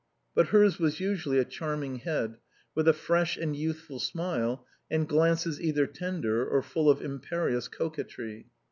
But hers was usually a charming head, with a fresh and youthful smile and glances either tender or full of imperious coquetry.